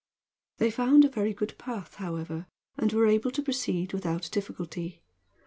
They found a very good path, however, and were able to proceed without difficulty.